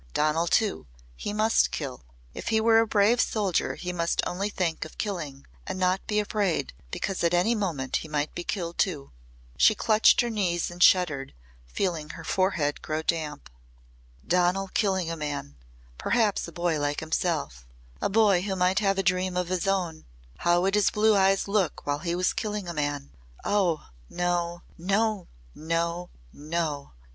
Donal too. He must kill. If he were a brave soldier he must only think of killing and not be afraid because at any moment he might be killed too. She clutched her knees and shuddered, feeling her forehead grow damp. Donal killing a man perhaps a boy like himself a boy who might have a dream of his own! How would his blue eyes look while he was killing a man? Oh! No! No! No!